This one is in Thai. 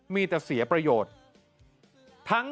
มีแต่เสียประโยชน์